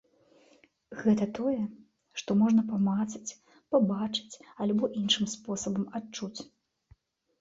Гэта тое, што можна памацаць, пабачыць альбо іншым спосабам адчуць.